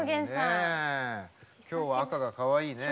きょうは赤がかわいいね。